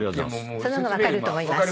その方が分かると思います。